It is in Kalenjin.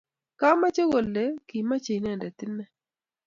Komache kole kichome inendet ine